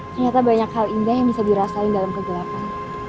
ternyata banyak hal indah yang bisa dirasain dalam kegelapan